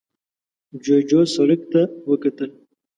جوجو سرک ته وکتل.